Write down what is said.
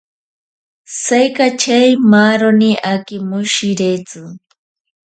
Saikachei maaroni akimoshiretsi.